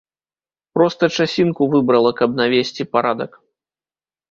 Проста часінку выбрала, каб навесці парадак.